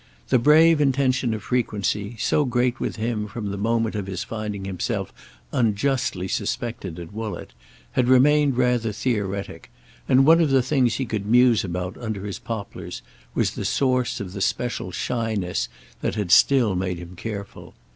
The brave intention of frequency, so great with him from the moment of his finding himself unjustly suspected at Woollett, had remained rather theoretic, and one of the things he could muse about under his poplars was the source of the special shyness that had still made him careful.